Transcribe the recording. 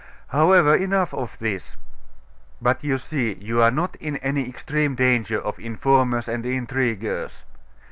However, enough of this. But you see, you are not in any extreme danger of informers and intriguers....